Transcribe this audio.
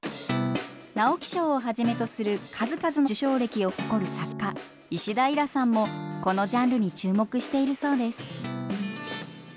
直木賞をはじめとする数々の受賞歴を誇る作家石田衣良さんもこのジャンルに注目しているそうです。